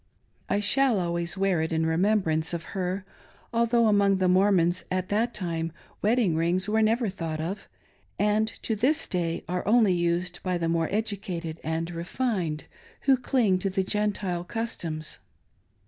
I shall always wear it in remembrance of her, although among the Mormons at that time wedding rings were never thought of, and to this day are only used by the more educated and refined who cling to Gentile customs.